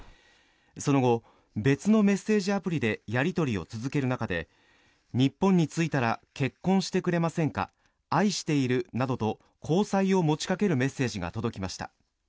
その後、別のメッセージアプリでやり取りを続ける中で日本に着いたら結婚してくれませんか愛しているなどと交際を持ちかけるメッセージが届きました。